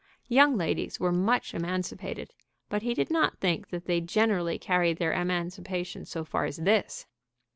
Young ladies were much emancipated, but he did not think that they generally carried their emancipation so far as this.